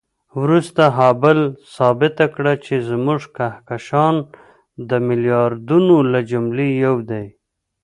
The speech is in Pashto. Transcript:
وروسته هابل ثابته کړه چې زموږ کهکشان د میلیاردونو له جملې یو دی.